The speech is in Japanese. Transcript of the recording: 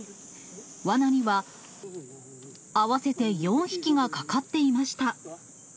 わなには、合わせて４匹がかかっていました。